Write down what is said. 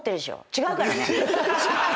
違うからね。